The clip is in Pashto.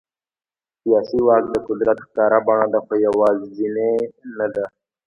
سیاسي واک د قدرت ښکاره بڼه ده، خو یوازینی نه دی.